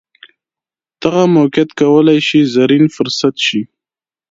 دغه موقیعت کولای شي زرین فرصت شي.